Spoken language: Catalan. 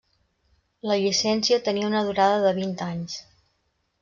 La llicència tenia una durada de vint anys.